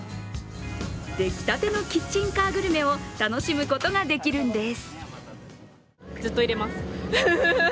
出来たてのキッチンカーグルメを楽しむことができるんです。